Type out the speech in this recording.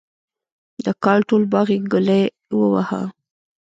د کال ټول باغ یې ګلي وواهه.